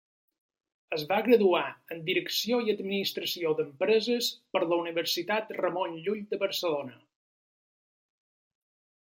Es va graduar en Direcció i Administració d'Empreses per la Universitat Ramon Llull de Barcelona.